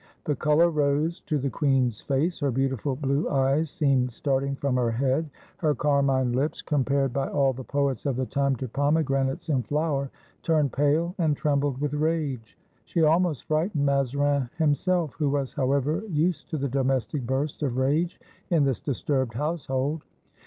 The color rose to the queen's face; her beautiful blue eyes seemed starting from her head; her carmine lips, 260 IN THE DAYS OF THE FRONDE compared by all the poets of the time to pomegranates in flower, turned pale, and trembled with rage. She almost frightened Mazarin himself, who was, however, used to the domestic bursts of rage in this disturbed household.